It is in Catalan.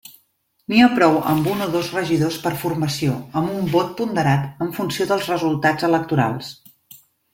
N'hi ha prou amb un o dos regidors per formació amb un vot ponderat en funció dels resultats electorals.